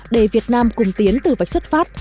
để việt nam cùng tiến từ vạch xuất phát